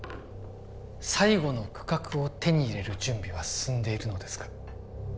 最後の区画を手に入れる準備は進んでいるのですか？